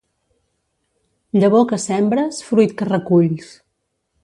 Llavor que sembres, fruit que reculls.